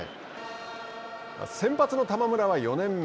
先発の玉村は４年目。